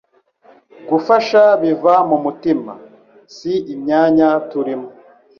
Gufasha biva mu mutima, si imyanya turimo